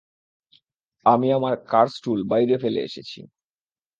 আমি আমার car's tool বাইরে ফেলে এসেছি!